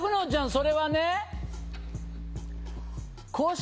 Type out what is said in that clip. それはね